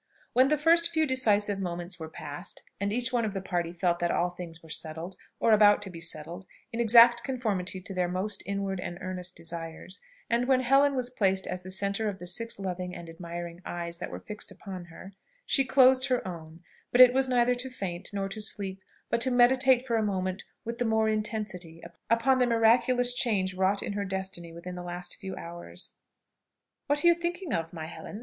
When the first few decisive moments were past, and each one of the party felt that all things were settled, or about to be settled, in exact conformity to their most inward and earnest desires, and when Helen was placed as the centre of the six loving and admiring eyes that were fixed upon her, she closed her own; but it was neither to faint, nor to sleep, but to meditate for a moment with the more intensity upon the miraculous change wrought in her destiny within the last few hours. "What are you thinking of, my Helen?"